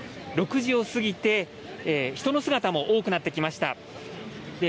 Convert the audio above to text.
６時を過ぎて人の姿も多くなってきました。